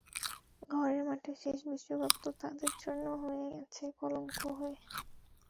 ঘরের মাঠে শেষ বিশ্বকাপ তো তাদের জন্য হয়ে আছে কলঙ্ক হয়ে।